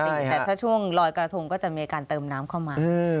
แต่ถ้าช่วงลอยกระทงก็จะมีการเติมน้ำเข้ามา